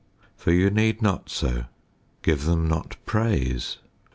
For you need not so. Give them not praise.